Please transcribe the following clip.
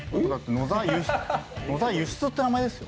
野澤輸出って名前ですよ。